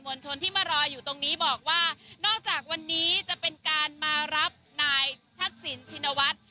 ลชนที่มารออยู่ตรงนี้บอกว่านอกจากวันนี้จะเป็นการมารับนายทักษิณชินวัฒน์